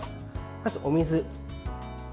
まず、お水。